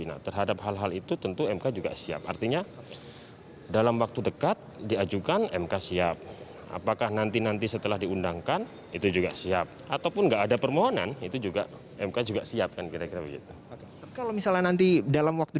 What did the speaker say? nah terhadap hal hal itu tentu mk juga siap artinya dalam waktu dekat diajukan mk siap apakah nanti nanti setelah diundangkan itu juga siap ataupun enggak ada permohonan itu juga mk juga siap kan kira kira begitu